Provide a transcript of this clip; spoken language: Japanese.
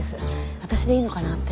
私でいいのかな？って。